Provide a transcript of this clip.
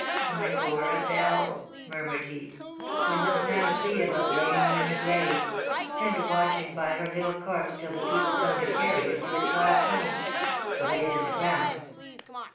"My poor Adèle!" murmured he; "we must now see about laying you in the grave, and watching by her little corpse till the people come to carry it to its last home, to lay it in the ground.